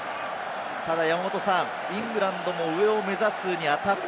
ただ、イングランドも上を目指すにあたって。